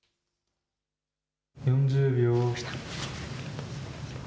４０秒。